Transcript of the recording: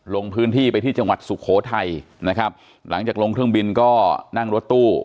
ลงพื้นที่ไปที่จังหวัดสุโขทัยนะครับหลังจากลงเครื่องบินก็นั่งรถตู้